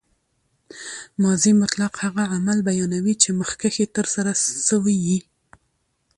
ماضي مطلق هغه عمل بیانوي، چي مخکښي ترسره سوی يي.